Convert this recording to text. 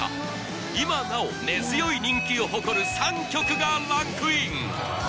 今なお根強い人気を誇る３曲がランクイン